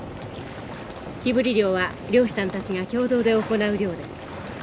火ぶり漁は漁師さんたちが共同で行う漁です。